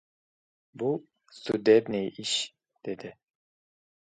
— Bu sudebniy ish! — dedi.